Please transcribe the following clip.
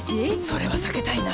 それは避けたいな。